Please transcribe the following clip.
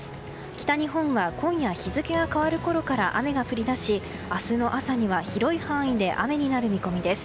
北日本は今夜日付が変わるころから雨が降り出し明日の朝には広い範囲で雨になる見込みです。